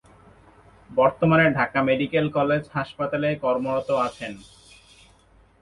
বর্তমানে Dhaka medical college হাসপাতালে কর্মরত আছেন।